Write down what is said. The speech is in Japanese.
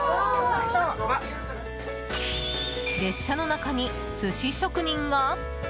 列車の中に寿司職人が？